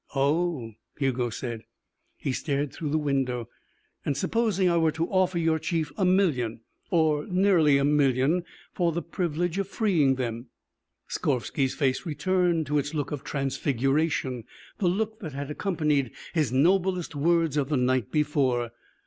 "Oh," Hugo said. He stared through the window. "And supposing I were to offer your chief a million or nearly a million for the privilege of freeing them?" Skorvsky's face returned to its look of transfiguration, the look that had accompanied his noblest words of the night before.